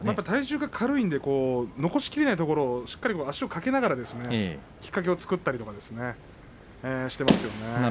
体重が軽いんで残しきれないところをしっかりと足を掛けながら、きっかけを作ったりとかしていますよね。